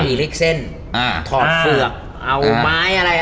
อิริกเซ็นทอดเฟือกเอาไม้อะไร